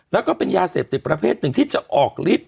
แล้วก็เป็นยาเสพติดประเภทหนึ่งที่จะออกลิฟต์